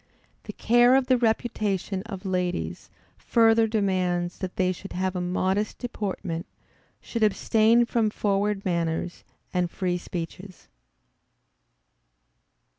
The care of the reputation of ladies further demands that they should have a modest deportment; should abstain from forward manners, and free speeches.